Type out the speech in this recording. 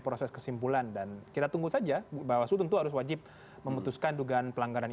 proses kesimpulan dan kita tunggu saja bahwa seluruh tentu harus wajib memutuskan dugaan